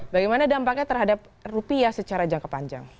bagaimana dampaknya terhadap rupiah secara jangka panjang